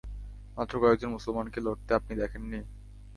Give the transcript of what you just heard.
মাত্র কয়েকজন মুসলমানকে লড়তে আপনি দেখেন নি?